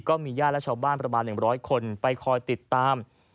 ญาติและชาวบ้านประมาณ๑๐๐คนไปคอยติดตาม